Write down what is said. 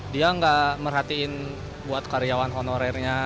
dia nggak merhatiin buat karyawan honorernya